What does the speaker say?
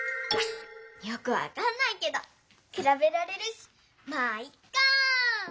よくわかんないけどくらべられるしまぁいっか！